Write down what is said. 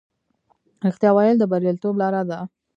رښتیا ویل د بریالیتوب لاره ده.